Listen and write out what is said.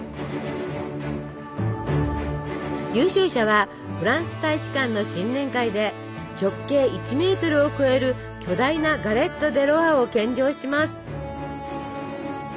優勝者はフランス大使館の新年会で直径１ｍを超える巨大なガレット・デ・ロワを献上します！